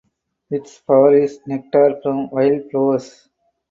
Its power is nectar from wild flowers.